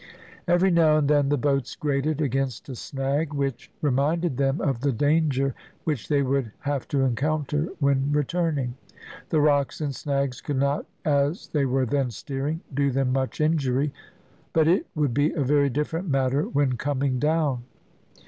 Every now and then the boats grated against a snag, which reminded them of the danger which they would have to encounter when returning. The rocks and snags could not, as they were then steering, do them much injury, but it would be a very different matter when coming down.